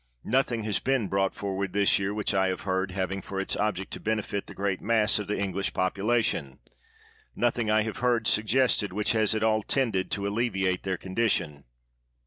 Nothing has been brought forward this year, which I have heard, having for its object to benefit the great mass of the English population; nothing I have heard suggested which has at all tended to alle viate their condition.